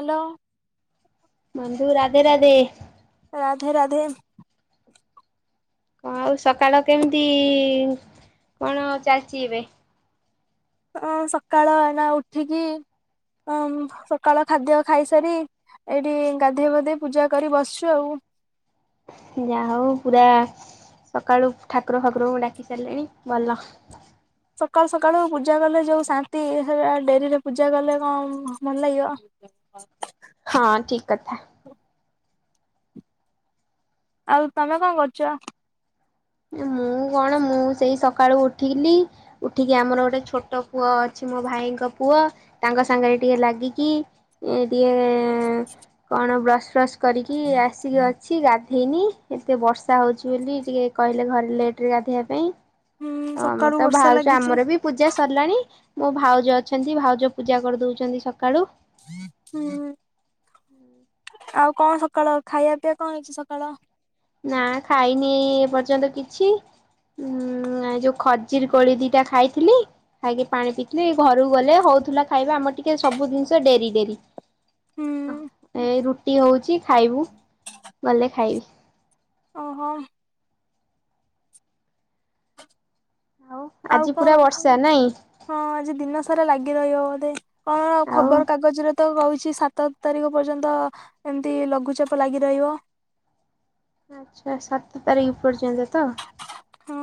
Hello. ବନ୍ଧୁ ରାଧେ ରାଧେ। ରାଧେ ରାଧେ। କଣ ଆଉ ସକାଳ କେମିତି ଇ ଇ ଇ କଣ ଆଉ ଚାଲିଚି ଏବେ? ଅଁ ସକାଳ ଏଇନା ଉଠିକି ଅଂ ସକାଳ ଖାଦ୍ୟ ଖାଇସାରି ଏଇଠି ଗାଧେଇ ବାଧେଇ ପୂଜା କରି ବସଚୁ ଆଉ। ଯାହା ହଉ ପୁରା ସକାଳୁ ଠାକୁର ଫାକୁରଙ୍କୁ ଡ଼ାକି ସାରଲେଣି ଭଲ। ସକାଳୁ ସକାଳୁ ପୂଜା କଲେ ଯୋଉ ଶାନ୍ତି ହେରା ଡ଼େରିରେ ପୂଜା କଲେ କଣ ଭଲ ଲାଗିବ? ହ ହ ହଁ ଠିକ୍ କଥା। ଆଉ ତମେ କଣ କରୁଚ? ମୁଁ କଣ ମୁଁ ସେଇ ସକାଳୁ ଉଠିଲି ଉଠିକି ଆମର ଗୋଟେ ଛୋଟ ପୁଅ ଅଛି ମୋ ଭାଇଙ୍କ ପୁଅ ତାଙ୍କ ସାଙ୍ଗରେ ଟିକେ ଲାଗିକି ଏଁ ଟିକେ ଏଁ ଏଁ ଏଁ କଣ ବ୍ରସ୍ ଫ୍ରସ୍ କରିକି ଆସିକି ଅଛି ଗାଧେଇନି ଏତେ ବର୍ଷା ହଉଚି ବୋଲି ଟିକେ କହିଲେ ଘରେ ଲେଟ୍ ରେ ଗାଧେଇବା ପାଇଁ ହୁଁ ତ ଆମର ସକାଳୁ ତ ବର୍ଷା ଭାଉଜ ଲାଗିଛି ଆମର ବି ପୂଜା ସରିଲାଣି ମୋ ଭାଉଜ ଅଛନ୍ତି ଭାଉଜ ପୂଜା କରିଦଉଚନ୍ତି ସକାଳୁ। [inaudible] ହୁଁ, ଆଉ କଣ ସକାଳ ଖାଇବା ପିଇବା କଣ ହେଇଛି ସକାଳ? ନା ଖାଇନି ଏ ପର୍ଯ୍ୟନ୍ତ କିଛି। ଉଁ ଯୋଉ ଖଜିର କୋଳି ଦିଟା ଖାଇଥିଲି। ଖାଇକି ପାଣି ପିଇଥିଲି, ଘରକୁ ଗଲେ ହଉଥିଲା ଖାଇବା, ଆମର ଟିକେ ସବୁ ଜିନିଷ ଡେରି ଡେରି। ହୁଁ ଏ ରୁଟି ହଉଛି ଖାଇବୁ। ଗଲେ ଖାଇବି। ଓ ହୋ। ଆଉ ଆଜି ପୁରା କଣ? ବର୍ଷା ନାଇଁ ହଁ ଆଜି ଦିନସାରା ଲାଗି ରହିବ ବୋଧେ। କଣ ଆଉ ଖବର କାଗଜରେ ତ କହୁଛି ସାତ ର ତାରିଖ ପର୍ଯ୍ୟନ୍ତ ଏମିତି ଲଘୁଚାପ ଲାଗି ରହିବ। ଆଚ୍ଛା ସାତ ତାରିଖ ପର୍ଯ୍ୟନ୍ତ ତ। ହଁ,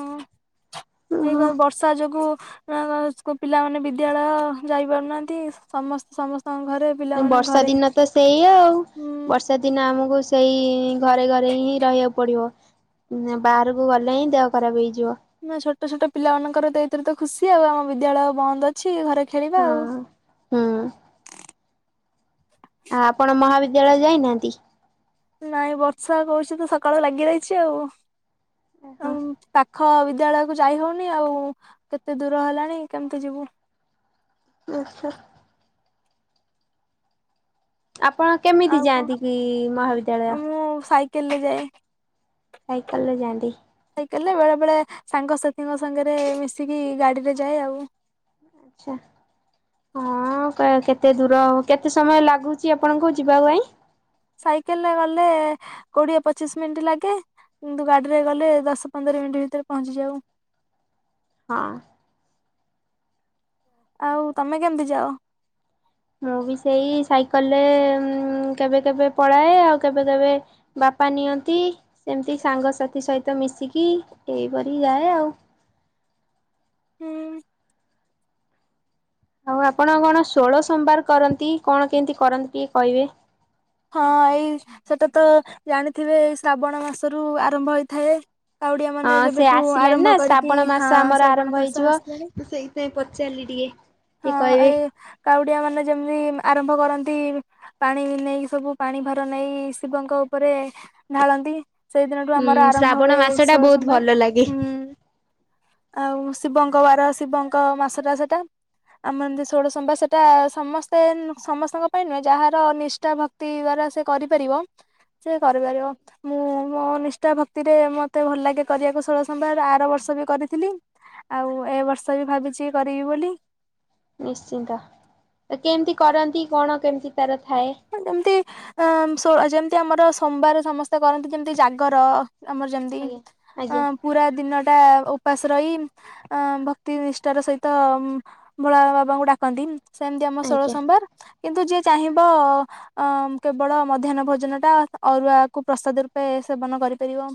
ଓହୋ। ଏଇପା ବର୍ଷା ଯୋଗୁ [unintelligible] ପିଲାମାନେ ବିଦ୍ୟାଳୟ ଯାଇ ପାରୁନାହାନ୍ତି। ସମସ୍ତେ ସମସ୍ତଙ୍କ ଘରେ ପିଲାମାନେ ବର୍ଷା ଘରେ ଦିନ ତ ସେଇଆ ଆଉ। ଉଁ ବର୍ଷ [unintelligible] ଦିନ ଆମକୁ ସେଇ ଘରେ ଘରେ ହିଁ ରହିବାକୁ ପଡ଼ିବ। [unintelligible] ବାହାରକୁ ଗଲେ ହିଁ ଦେହ ଖରାପ ହେଇଯିବ। ନା ଛୋଟ ଛୋଟ ପିଲାମାନଙ୍କର ତ ଏଇଥିରେ ତ ଖୁସି ଆଉ, ଆମ ବିଦ୍ୟାଳୟ ବନ୍ଦ ଅଛି, ଘରେ ଖେଳିବା ଆଉ। ହଁ ହୁଁ। ଆ ଆପଣ ମହାବିଦ୍ୟାଳୟ ଯାଇନାହାନ୍ତି? ନାଇଁ ବର୍ଷା କରୁଛି ତ ସକାଳୁ ଲାଗି ରହିଛି ଆଉ। ଓହୋ ଆଉ ପାଖ ବିଦ୍ୟାଳୟକୁ ଯାଇ ହଉନି ଆଉ, କେତେ ଦୂର ହେଲାଣି କେମିତି ଯିବୁ? [unintelligible] ଆପଣ କେମିତି ଆଉ ଯାଆନ୍ତି କଣ କି ମହାବିଦ୍ୟାଳୟ? ମୁଁ [unintelligible] ଯାଏ। ସାଇକେଲରେ ଯାଆନ୍ତି। ସାଇକେଲରେ ବେଳେବେଳେ ସାଙ୍ଗସାଥୀଙ୍କ ସାଙ୍ଗରେ ମିଶିକି ଗାଡ଼ିରେ ଯାଏ ଆଉ। ଆଚ୍ଛା। ହଁ, କ କେତେ ଦୂର, କେତେ ସମୟ ଲାଗୁଛି ଆପଣଙ୍କୁ ଯିବା ପାଇଁ? ସାଇକେଲରେ ଗଲେ କୋଡ଼ିଏ ପଚିଶ ମିନିଟ୍ ଲାଗେ। କିନ୍ତୁ ଗାଡ଼ିରେ ଗଲେ ଦଶ ପନ୍ଦର ମିନିଟ୍ ଭିତରେ ପହଞ୍ଚିଯାଉ। ହଁ। ଆଉ ତମେ କେମତି ଯାଅ? ମୁଁ ବି ସେଇ ସାଇକେଲରେ ମୁଂ କେବେ କେବେ ପଳାଏ, ଆଉ କେବେ କେବେ ବାପା ନିଅନ୍ତି, ସେମିତି ସାଙ୍ଗସାଥୀ ସହିତ ମିଶିକି ଇଏ କରିକି ଯାଏ ଆଉ। ହୁଁ। ଆଉ ଆପଣ କଣ ଷୋଳ ସୋମବାର କରନ୍ତି, କଣ କେମିତି କରନ୍ତି ଟିକେ କହିବେ? ହଁ, ଏଇ ସେଟାତ ଜାଣିଥିବେ ଶ୍ରାବଣ ମାସରୁ ଆରମ୍ଭ ହେଇଥାଏ। କାଉଡିଆ ହଁ, ମାନେ ସେ ଯେବେଠୁ ଆରମ୍ଭ ଆସିଲାଣିନା କରିକି ଶ୍ରାବଣ ହଁ ମାସ ଆମର ଶ୍ରାବଣ ଆରମ୍ଭ ମାସ ହେଇଯିବ, ଆସିଲାଣି ମୁଁ ସେଇଥିପାଇଁ ପଚାରିଲି ଟିକେ। ତି କହିବେ? କାଉଡ଼ିଆ ମାନେ ଯେମିତି ଆରମ୍ଭ କରନ୍ତି, ପାଣି ନେଇ ସବୁ ପାଣି ଭାର ନେଇ ଶିବଙ୍କ ଉପରେ ଢାଳନ୍ତି। ସେଇଦିନଠୁ ଆମର ଉଁ ଆରମ୍ଭ ଶ୍ରାବଣ ହୁଏ ମାସ ଟା ଷୋହଳ ବହୁତ ସୋମବାର। ଭଲ ଲାଗେ। ହୁଁ। ଆଉ ଶିବଙ୍କ ବାର ଶିବଙ୍କ ମାସଟା ସେଟା। [unintelligible] ଷୋଡ଼ ସମ୍ବା ସେଟା ସମସ୍ତେ ସମସ୍ତଙ୍କ ପାଇଁ ନୁହେଁ, ଯାହାର ନିଷ୍ଟା ଭ ତି ବାର ସେ କରିପାରିବ, ସେ କରିପାରିବ। ମୁଁ ମୋ ନିଷ୍ଠା ଭକ୍ତିରେ ମତେ ଭଲ ଲାଗେ କରିବାକୁ ଷୋହଳ ସୋମବାର, ଆର ବର୍ଷ ବି କରିଥିଲି। ଆଉ ଏ ବର୍ଷ ବି ଭାବୁଛି କରିବି ବୋଲି। ନିଶ୍ଚିନ୍ତ କେମିତି କରନ୍ତି କଣ କେମିତି ତାର ଥାଏ? ଯେମତି ଅ ଯେମତି ଆମର ସୋମବାର ସମସ୍ତେ କରନ୍ତି ଯେମିତି ଜାଗର ଆମର ଯେମିତି ଆଜ୍ଞା। ଅ ଆଜ୍ଞା ପୁରା ଦିନ ଟା ଉପାସ ରହି ଅ ଭକ୍ତି ନିଷ୍ଠାର ସହିତ ଭୋଳା ବାବାଙ୍କୁ ଡାକନ୍ତି ସେମିତି ଆମ ଷୋହଳ ଆଜ୍ଞା ସମ୍ବାର କିନ୍ତୁ ଯିଏ ଚାହିଁବ ଅ କେବଳ ମଧ୍ୟାହନ ଭୋଜନ ଟା ଅରୁଆକୁ ପ୍ରସାଦ ରୂପେ ସେବନ କରିପାରିବ।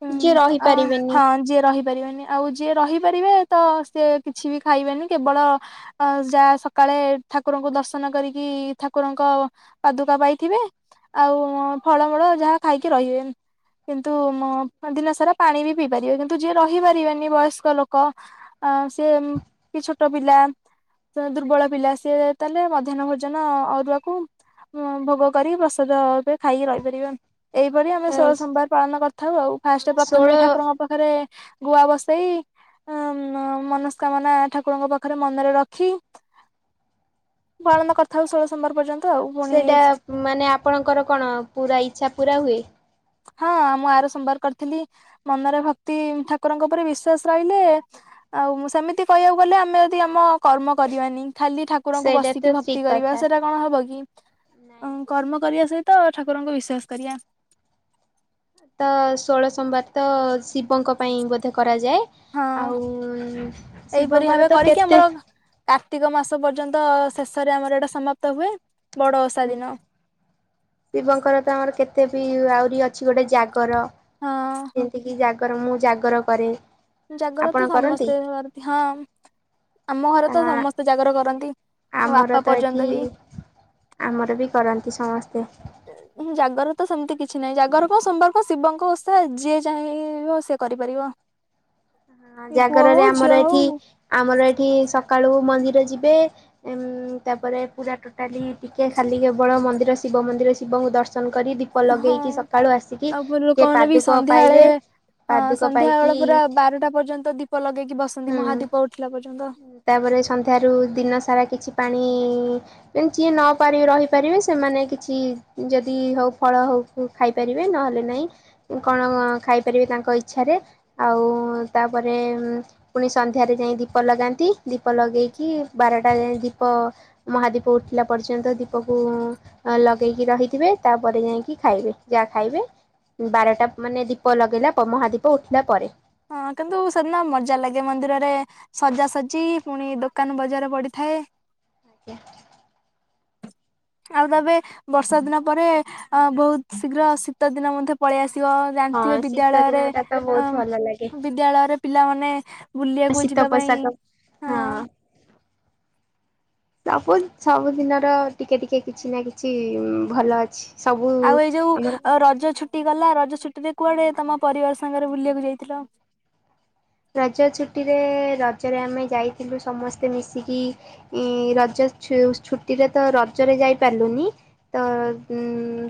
ହଁ [unintelligible] ହୁଁ ଆ ହଁ ଯିଏ ରହି ପାରିବେନି ଆଉ ଯିଏ ରହିପାରିବେ ତ ସେ କିଛି ବି ଖାଇବେନି କେବଳ ଅ ଯାହା ସକାଳେ ଠାକୁରଙ୍କୁ ଦର୍ଶନ କରିକି ଠାକୁରଙ୍କ ପାଦୁକା ପାଇଥିବେ ଆଉ ଫଳମୂଳ ଯାହା ଖାଇକି ରହିବେ। କିନ୍ତୁ ଦିନ ସାରା ପାଣି ବି ପିଇ ପାରିବେ କିନ୍ତୁ ଯିଏ ରହିପାରିବେନି ବୟସ୍କ ଲୋକ ଅ ସେଏ କି ଛୋଟ ପିଲା ଦୁର୍ବଳ ପିଲା ଆସ ତାହେଲେ ମଧ୍ୟାହ୍ନ ଭୋଜନ ଅରୁଆକୁ ଭୋଗ କରିି ପ୍ରସାଦବେ ଖାଇକି ରହିପାରିବା। ଏଇପରି ଆମେ ତ ଷୋଳ ସୋମବାର ପାଳନ କରିଥାଉ ଆଉ ଫାଷ୍ଟ ଷୋଳ ପ୍ରଥମେ ଠାକୁରଙ୍କ ପାଖ ପାଖରେ ଗୁଆ ବସେଇ ଉ ମନସ୍କାମନା ଠାକୁରଙ୍କ ପାଖରେ ମନରେ ରଖି ପାଳନ କରିଥାଉ ଷୋଳ ସୋମବାର ପଯ୍ୟର୍ନ୍ତ ସେଇଟା ମାନେ ଆପଣଙ୍କର କଣ ପୁରା ଇଛା ପୁରା ହୁଏ? ହଁ ମୁଁ ଆର ସୋମବାର କରିଥିଲି ମନରେ ଭକ୍ତି ଠାକୁରଙ୍କ ଉପରେ ବିଶ୍ଵାସ ରହିଲେ ଆଉ ସେମିତି କହିବାକୁ ଗଲେ ଆମେ ଯଦି ଆମ କର୍ମ କରିବାନି ଖାଲି ଠାକୁ ଠାକୁରଙ୍କୁ ସେଇଟା ତ ବସିକି ଭକ୍ତି ଠିକ କରିବା କଥା। ସେଇଟା କଣ ହବ କି କର୍ମ କରିବା ସହିତ ଠାକୁରଙ୍କୁ ବିଶ୍ଵାସ କରିବା। ତ ଷୋଳ ସୋମବାର ତ ଶିବଙ୍କ ପାଇଁ ବୋଧେ କରାଯାଏ? ହଁ ଆଉ ଏହିପରି ଭାବେ ଶିବଙ୍କର ତ କରିକି ଆମର କେତେ କାର୍ତ୍ତିକ ମାସ ପର୍ଯ୍ୟନ୍ତ ଶେଷରେ ଆମର ଏଇଟା ସମାପ୍ତ ହୁଏ ବଡ ଓଷା ଦିନ। ଶିବଙ୍କର ତ ଆମର କେତେ ବି ଆହୁରି ଅଛି ଗୋଟେ ଜାଗ ଜାଗର ହଁ ଯେମତି କିି ଜାଗର ମୁଁ ଜାଗର କରେ। ଜାଗର ଆପଣ ତ କରନ୍ତି? ସମସ୍ତେ କରନ୍ତି ହଁ ଆମ ଘରେ ଆ ତ ସମସ୍ତେ ଜାଗର କରନ୍ତି। ମଁ ଆମର ବାପା ତ ଏଠି ପର୍ଯ୍ୟନ୍ତ ବି ଆମର ବି କରନ୍ତି ସମସ୍ତେ। ଜାଗର ତ ସେମିତି କିଛି ନାହିଁ ଜାଗର କଣ ସୋମବାର କଣ ଶିବଙ୍କ ଓଷା ଯିଏ ଯାଇଁବ ସେ କରିପାରିବ। ହଁ ସେ ପୁଅ ଜାଗରରେ ହଉ ଆମର ଝିଅ ଏଠି ହଉ ଆମର ଏଠି ସକାଳୁ ମନ୍ଦିର ଯିବେ ଉଁ ତାପରେ ପୁରା ଟୋଟାଲି ଟିକେ ଖାଲି କେବଳ ମନ୍ଦିର ଶିବ ମନ୍ଦିର ଶିବଙ୍କୁ ଦର୍ଶନ କରି ଦି ଦିପ ହଁ ଲଗେଇକି ସକାଳୁ ଆସିକି ଆଉ ଟିକେ ଲୋକମାନେ ବି ପାଦୁକ ସନ୍ଧ୍ୟାବେଳେ ପାଇବେ ହଁ ପାଦୁକ ସନ୍ଧ୍ୟା ପାଇକି ବେଳ ପୁରା ବାରଟା ପର୍ଯ୍ୟନ୍ତ ଦୀପ ଲଗେଇକି ବସନ୍ତି ହୁଁ ମହାଦୀପ ଉଠିଲା ପର୍ଯ୍ୟନ୍ତ। ତାପରେ ସନ୍ଧ୍ୟାରୁ ଦିନସାରା କିଛି ପାଣି ଉଁ ଯିଏ ନ ପାର ରହିପାରିବେ ସେମାନେ କିଛି ଯଦି ହଉ ଫଳ ହଉ ଉ ଖାଇପାରିବେ ନହେଲେ ନାହିଁ କଣ ଖାଇପାରିବେ ତାଙ୍କ ଇଚ୍ଛାରେ ଆଉ ତାପରେ ପୁଣି ସନ୍ଧ୍ୟାରେ ଯାଇ ଦୀପ ଲଗାନ୍ତି ଦୀପ ଲଗେଇକି ବାରଟା ଯାଏ ଦୀପ ମହାଦୀପ ଉଠିଲା ପର୍ଯ୍ୟନ୍ତ ଦୀପକୁ ଲଗେଇକି ରହିଥିବେ ତାପରେ ଯାଇଁକି ଖାଇବେ ଯାହା ଖାଇବେ ବାରଟା ମାନେ ଦୀପ ଲଗେଇଲା ମହାଦୀପ ଉଠିଲା ପରେ। ହଁ କିନ୍ତୁ ସେଦିନ ମଜା ଲାଗେ ମନ୍ଦିରରେ ସଜାସଜି ପୁଣି ଦୋକାନ ବଜାର ପଡିଥାଏ। ଆଜ୍ଞା। ଆଉ ତବେ ବର୍ଷା ଦିନ ପରେ ଅ ବହୁତ ଶୀଘ୍ର ଶୀତ ଦିନ ମଧ୍ୟ ପଳେଇ ଆସିବ। ହଁ ଜାଣିଥିବେ ଶୀତ ବିଦ୍ୟାଳୟରେ ଦିନଟା ତ ବହୁତ ଅ ଭଲ ଲାଗେ। ବିଦ୍ୟାଳୟରେ ପିଲାମାନେ ବୁଲିବାକୁ ଯିବା ପାଇଁ ହଁ ଫାଙ୍କା ଅଡିଓ। ସବୁ ସବୁଦିନର ଟିକେ ଟିକେ କିଛି ନା କିଛି ଭଲ ଅଛି। ସବୁ ଆଉ ଏଇ ଯୋଉ ଆମର ରଜ ଛୁଟି ଗଲା ରଜ ଛୁଟି ରେ କୁଆଡେ ତମ ପରିବାର ସାଙ୍ଗରେ ବୁଲିବାକୁ ଯାଇଥିଲ? ରଜ ଛୁଟିରେ ରଜରେ ଆମେ ଯାଇଥିଲୁ ସମସ୍ତେ ମିଶିକି ରଜ ଛୁଟିରେ ତ ରଜରେ ଯାଇ ପାରିଲୁନି ତ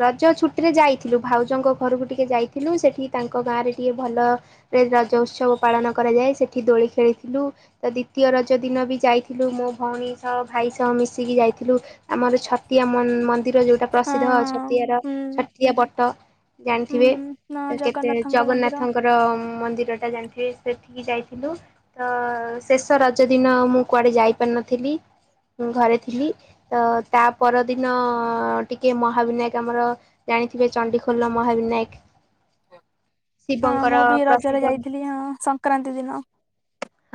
ରଜ ଛୁଟିରେ ଯାଇଥିଲୁ ଭାଉଜଙ୍କ ଘରକୁ ଟିକେ ଯାଇଥିଲୁ ସେଠି ତାଙ୍କ ଗାଁରେ ଟିକିଏ ଭଲରେ ରଜ ଉତ୍ସବ ପାଳନ କରାଯାଏ ସେଠି ଦୋଳି ଖେଳିଥିଲୁ। ତ ଦ୍ଵିତୀୟ ରଜ ଦିନ ବି ଯାଇଥିଲୁ ମୋ ଭଉଣୀ ସହ ଭାଇ ସହ ମିଶିକି ଯାଇଥିଲୁ ଆମର ଛତିଆ ମ ମନ୍ଦିର ଯୋଉଟା ହଁ ପ୍ରସିଦ୍ଧ ହଁ ଛତିଆର ହୁଁ ଛଟିଆ ବଟ ହୁଁ ଜାଣିଥିବେ ହଁ କେତେ ଜଗନ୍ନାଥଙ୍କ ମନ୍ଦିର ଜଗନ୍ନାଥଙ୍କର ମନ୍ଦିର ଟା ଜାଣି ସେ ସେଠିକି ଯାଇଥିଲୁ ତ ଶେଷ ରଜ ଦିନ ମୁଁ କୁଆଡ଼େ ଯାଇପାରିନଥିଲି। ଘରେ ଥିଲି ତ ତା ପରଦିନ ଟିକେ ମହାବିନାୟକ ଆମର ଜାଣିଥିବେ ଚଣ୍ଡିଖୋଲ ମହାବିନାୟକ। ହଁ ଶିବଙ୍କର ମୁଁ ବି ରଜରେ ପ୍ରସିଦ୍ଧ ଯାଇଥିଲି ହଁ ସଂକ୍ରାନ୍ତି ଦିନ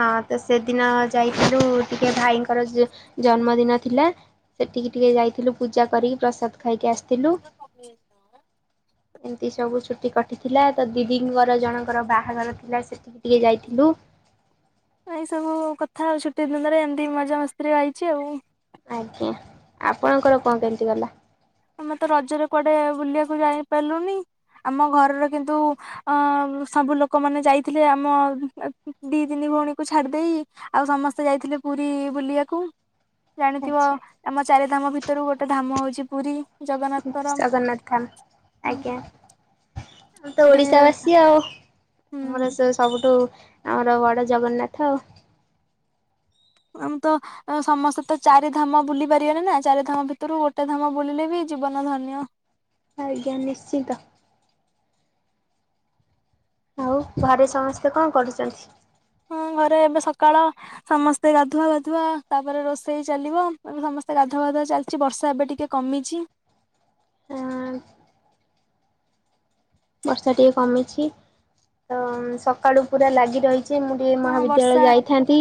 ହଁ ତ ସେଦିନ ଯାଇଥିଲୁ ଟିକେ ଭାଇଙ୍କର ଜନ୍ମଦିନ ଥିଲା। ସେଠିକି ଟିକେ ଯାଇଥିଲୁ ପୂଜା କରିକି ପ୍ରସାଦ ଖାଇକି ଆସିଥିଲୁ। ଏମିତି ସବୁ ଛୁଟି କଟିଥିଲା ତ ଦିଦିଙ୍କର ଜଣଙ୍କର ବାହାଘର ଥିଲା ସେ ଇଏ ଯାଇଥିଲୁ ଏଇ ସବୁ କଥା ଛୁଟି ଦିନରେ ଏମିତି ମଜା ମସ୍ତିରେ ଆଇଛି ଆଉ। ଆଜ୍ଞା ଆପଣଙ୍କର କଣ କେମିତି ଗଲା। ଆମେ ତ ରଜରେ କୁଆଡେ ବୁଲିବାକୁ ଯାଇପାରିଲୁନି ଆମ ଘରର କିନ୍ତୁ ଅ ସବୁ ଲୋକମାନେ ଯାଇଥିଲେ ଆମ ଦି ତିନି ଭଉଣୀକୁ ଛାଡି ଦେଇ। ଆଉ ସମସ୍ତେ ଯାଇଥିଲେ ପୁରୀ ବୁଲିଆକୁ। ଜାଣିଥିବ ଆମ ଚାରି ଧାମ ଭିତରୁ ଗୋଟେ ଧାମ ହଉଛି ପୁରୀ ଜଗନ୍ନାଥଙ୍କର ଜଗନ୍ନାଥ ଥାମ ହୁଁ ଆଜ୍ଞା। ଆମେ ତ ସେଠି ଓଡିଶା ବାସୀ ଆଉ ଆମର ସ୍ ସବୁଠୁ ଆମର ବଡ଼ ଜଗନ୍ନାଥ ଆଉ। ଆମ ତ ଆମେ ସମସ୍ତେ ତ ଚାରି ଧାମ ବୁଲି ପାରିବାନି ନା ଚାରି ଧାମ ଭିତରୁ ଗୋଟେ ଧାମ ବୁଲିଲେ ବି ଜୀବନ ଧନ୍ୟ। ଆଜ୍ଞା ନିଶ୍ଚିତ। ଆଉ ଘରେ ସମସ୍ତେ କଣ କରୁଛନ୍ତି? ହଁ ଘରେ ଏବେ ସକାଳ ସମସ୍ତେ ଗାଧୁଆ ବାଧୁଆ ତାପରେ ରୋଷେଇ ଚାଲିବ ଏବେ ସମସ୍ତେ ଗାଧୁଆ ବାଧୁଆ ଚାଲିଛି ବର୍ଷା ଏବେ ଟିକେ କମିଛି ଆ ବର୍ଷା ଟିକେ କମିଛି ତ ସକାଳୁ ପୁରା ଲାଗି ରହି ଯେ ମୁଁ ଟିକଏ ହଁ ମହାବିଦ୍ୟାଳୟ ବର୍ଷା ଯାଇଥାନ୍ତି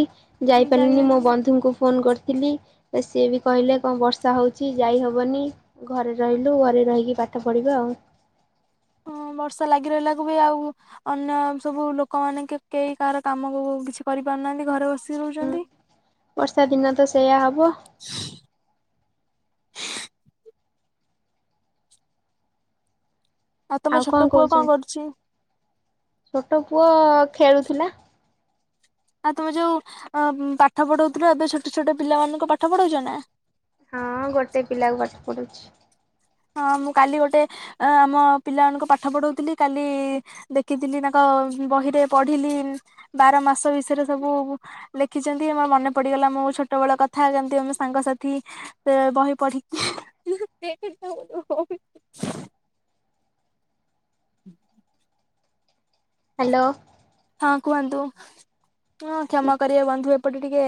ଯାଇ ଯାଇପାରିଲିନି ମୋ ହେଲାନି ବନ୍ଧୁଙ୍କୁ ଫୋନ୍ କରିଥିଲି। ତ ସିଏ ବି କହିଲେ କଣ ବର୍ଷା ହଉଛି ଯାଇ ହବନି। ଘରେ ରହିଲୁ ଘରେ ରହିକି ପାଠ ପଢ଼ିବା ଆଉ। ହଁ ବର୍ଷା ଲାଗି ରହିଲାକୁ ବି ଆଉ ଅନ୍ୟ ସବୁ ଲୋକମାନେ କେହି କାହାର କାମ କିଛି କରିପାରୁନାହାନ୍ତି ଘରେ ବସିକି ରହୁଛନ୍ତି। ବର୍ଷା ଦିନ ତ ସେଇୟା ହବ। ତମ ଆଉ ଛୋଟ କଣ ପୁଅ କରୁଛି କହୁଛନ୍ତି ଛୋଟ ପୁଅ ଖେଳୁଥିଲା। ଆଉ ତମେ ଯୋଉ ଅ ପାଠ ପଢଉଥିଲ ଏବେ ଛୋଟ ଛୋଟ ପିଲାମାନ ଙ୍କ ପାଠ ପଢଉଛ ନା? ହଁ ଗୋଟେ ପିଲାକୁ ପାଠ ପଢଉଛି। ହଁ ମୁଁ କାଲି ଗୋଟେ ଆମ ପିଲାମାନଙ୍କୁ ପାଠ ପଢଉଥିଲି କାଲି ଦେଖିଥିଲି ତାଙ୍କ ବହିରେ ପଢିଲି ବାର ମାସ ବିଷୟରେ ସବୁ ଲେଖିଛନ୍ତି ଆମର ମନେ ପଡିଗଲା ମୁଁ ଛୋଟ ବେଳ କଥା କେମିତି ଆମ ସାଙ୍ଗସାଥି ବହି ପଢ଼ି କି ହୁଁ [inaudible] ହ୍ୟାଲୋ। ହଁ କୁହନ୍ତୁ ହଁ କ୍ଷମା କରିବା ବନ୍ଧୁ ଏପଟେ ଟିକେ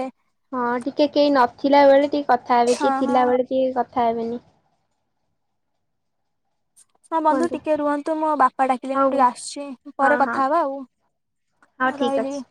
ହଁ ଟିକେ କେହି ନଥିଲା ବଳେ ଟିକେ କଥା ହେବେ ହଁ କିଏ ହଁ ଥିଲାବେଳେ ଟିକେ କଥା ହେବେନି। ହଁ ବନ୍ଧୁ କୁହନ୍ତୁ। ଟିକେ ରୁହନ୍ତୁ ମୁଁ ବାପା ଡାକିଲେନି ମୁଁ ହଉ ଟିକେ ଆସିଛି ପରେ ହଁ କଥା ହବା ଆଉ। ହଁ ଠିକ୍ ରହିଲି। ଅଛି।